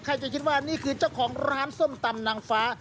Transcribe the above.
ใครจะคิดว่านี่คือเจ้าของร้านส้มตำนางฟ้า